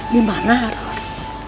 di mana harus